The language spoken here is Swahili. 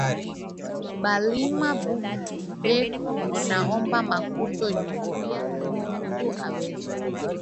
Balimu beko naomba makuta juya mutu aweze